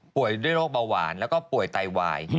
ด้วยโรคเบาหวานแล้วก็ป่วยไตวาย